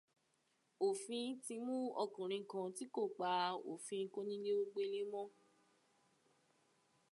Òfin ti mú ọkùnrin kan tí kò pa òfin kónílé-ó-gbélé mọ́.